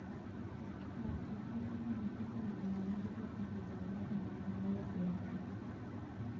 Las tres cartas se muestran simultáneamente tras completarse la primera ronda de apuestas.